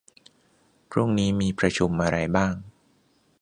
พรุ่งนี้มีประชุมอะไรบ้าง